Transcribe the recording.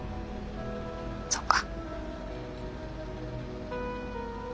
そっか。